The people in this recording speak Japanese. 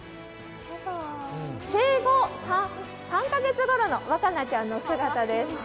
生後３カ月頃の和奏ちゃんの姿です